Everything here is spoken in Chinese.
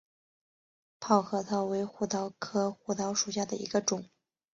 泡核桃为胡桃科胡桃属下的一个种。